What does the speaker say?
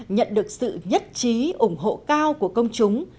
nhận được sự nhất trí ủng hộ cao của công chúng